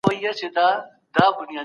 بهرنۍ تګلاره بې له اصولو څخه نه جوړیږي.